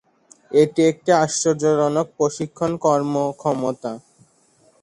এটি একটি আশ্চর্যজনক প্রশিক্ষণ কর্মক্ষমতা।